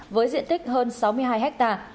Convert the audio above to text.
với diện tích hơn sáu mươi hai ha